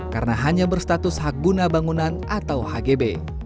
karena hanya berstatus hak guna bangunan atau hgb